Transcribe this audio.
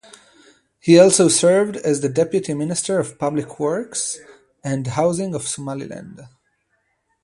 He also served as the deputy Minister of Public Works and Housing of Somaliland.